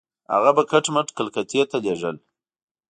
هغه به کټ مټ کلکتې ته لېږل.